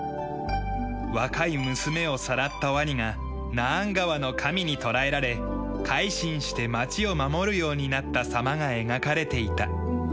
若い娘をさらったワニがナーン川の神にとらえられ改心して町を守るようになった様が描かれていた。